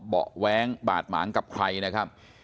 เบาะแว้งบาดหมางกับใครนะครับ